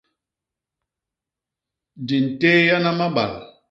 Di nteeana mabal.